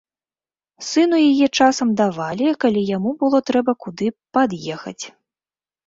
Сыну яе часам давалі, калі яму было трэба куды пад'ехаць.